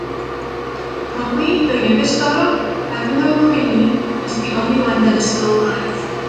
Currently, their youngest daughter, Ivanhoe Craney, is the only one that is still alive.